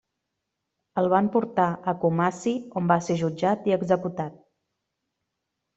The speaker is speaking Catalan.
El van portar a Kumasi on va ser jutjat i executat.